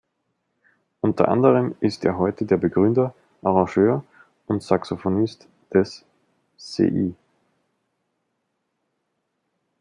Unter anderem ist er heute der Begründer, Arrangeur und Saxophonist des "Cl.